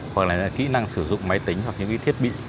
hoặc là kỹ năng sử dụng máy tính hoặc những thiết bị